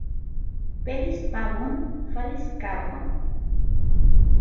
Pelis pavon, falis kavon.